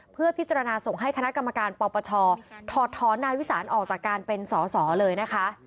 เพื่อพิจารณาส่งให้คณะกรรมการปปชถอดถอนนายวิสานออกจากการเป็นสอสอเลยนะคะ